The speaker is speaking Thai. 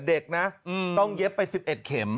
เด็กนะต้องเย็บไป๑๑เข็ม